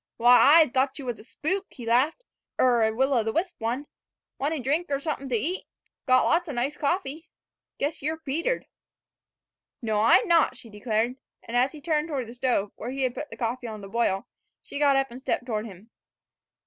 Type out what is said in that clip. "W'y, I thought you 's a spook," he laughed, "er a will o' th' wisp one. Want a drink er somethin' to eat? Got lots o' nice coffee. Guess y' 're petered." "No, I'm not," she declared. And as he turned from the stove, where he had put the coffee on to boil, she got up and stepped toward him.